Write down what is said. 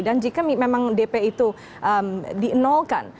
dan jika memang dp itu dienolkan